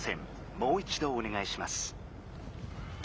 もう一どおねがいします」。